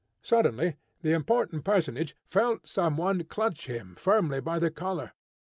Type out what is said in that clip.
Suddenly the important personage felt some one clutch him firmly by the collar.